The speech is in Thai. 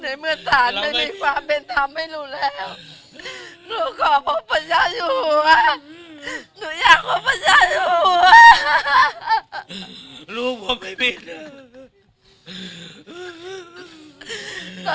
ในเมื่อศาลไม่มีความเป็นธรรมไม่รู้แล้วแม่อยากให้พระเจ้าอยู่หัวแม่อยากให้พระเจ้าอยู่หัว